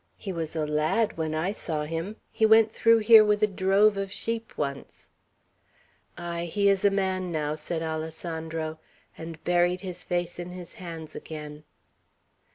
He was a lad when I saw him. He went through here with a drove of sheep once." "Ay, he is a man now," said Alessandro, and buried his face in his hands again.